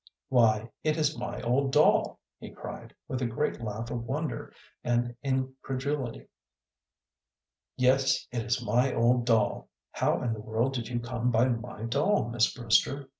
"Why, it is my old doll," he cried, with a great laugh of wonder and incredulity. "Yes, it is my old doll! How in the world did you come by my doll, Miss Brewster?